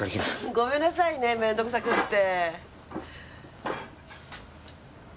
ごめんなさいね面倒くさくって。